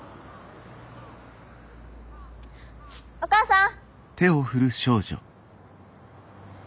お母さん！